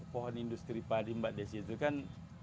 pohon industri padi mbak desi itu kan